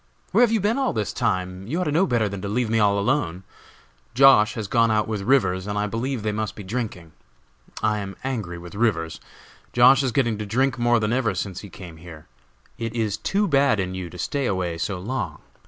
"Where have you been all this time? You ought to know better than to leave me all alone. Josh. has gone out with Rivers, and I believe they must be drinking. I am angry with Rivers. Josh. is getting to drink more than ever since he came here. It is too bad in you to stay away so long!